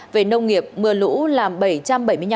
về nông nghiệp mưa lũ làm bảy trăm bảy mươi năm ha lúa